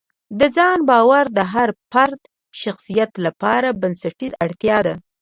د ځان باور د هر فرد شخصیت لپاره بنسټیزه اړتیا ده.